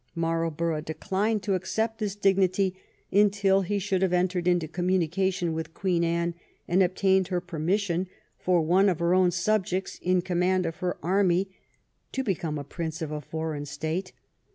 Marlborough declined to accept this dignity until he should have entered into communication with Queen Anne, and obtained her permission for one of her subjects in command of her army to become a prince of a foreign state.